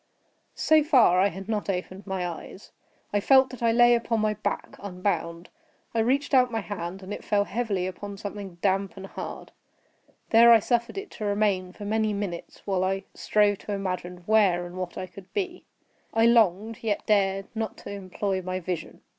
So far, I had not opened my eyes. I felt that I lay upon my back, unbound. I reached out my hand, and it fell heavily upon something damp and hard. There I suffered it to remain for many minutes, while I strove to imagine where and what I could be. I longed, yet dared not to employ my vision.